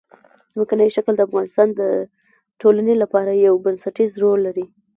ځمکنی شکل د افغانستان د ټولنې لپاره یو بنسټيز رول لري.